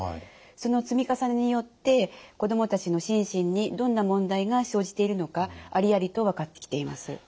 その積み重ねによって子どもたちの心身にどんな問題が生じているのかありありと分かってきています。